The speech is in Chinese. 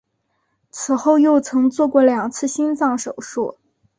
此后又曾做过两次心脏手术。